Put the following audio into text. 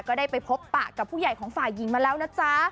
ก็ได้ไปพบปะกับผู้ใหญ่ของฝ่ายหญิงมาแล้วนะจ๊ะ